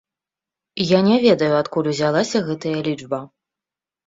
Я не ведаю, адкуль узялася гэтая лічба.